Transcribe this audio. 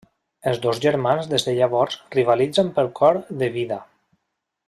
Els dos germans des de llavors rivalitzen pel cor de Vida.